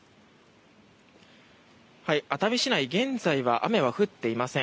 熱海市内、現在は雨は降っていません。